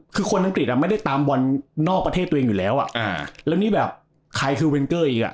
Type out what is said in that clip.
คือคนอังกฤษอ่ะไม่ได้ตามบอลนอกประเทศตัวเองอยู่แล้วอ่ะอ่าแล้วนี่แบบใครคือเวนเกอร์อีกอ่ะ